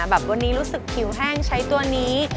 แบบวันนี้รู้สึกผิวแห้งใช้ตัวนี้